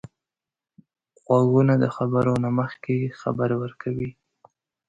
غوږونه د خبرو نه مخکې خبر ورکوي